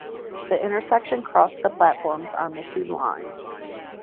The intersection crossed the platforms on the two lines.